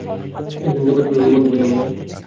একজন জগৎবিখ্যাত রোমান কবির নাম, না?